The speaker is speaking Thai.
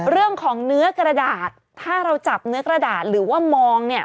เรื่องของเนื้อกระดาษถ้าเราจับเนื้อกระดาษหรือว่ามองเนี่ย